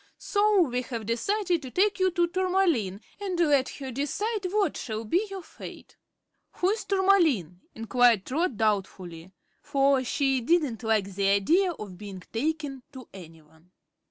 So we have decided to take you to Tourmaline and let her decide what shall be your fate." "Who is Tourmaline?" inquired Trot, doubtfully, for she didn't like the idea of being "taken" to anyone.